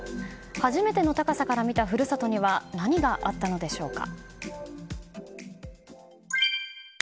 初めての高さから見た故郷には何があったのでしょうか。